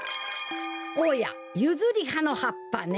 おやユズリハのはっぱね。